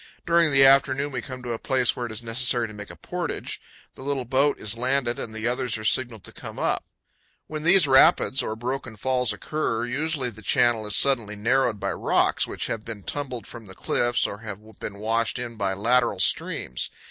During the afternoon we come to a place where it is necessary to make a portage. The little boat is landed and the others are signaled to come up. THE CANYON OF LODOKE. 153 When these rapids or broken falls occur usually the channel is suddenly narrowed by rocks which have been tumbled from the cliffs or powell canyons 105.jpg GATE OF LODORE. have been washed in by lateral streams.